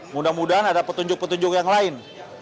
mudah mudahan ada petunjuk petunjuk yang lain